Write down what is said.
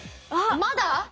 まだ？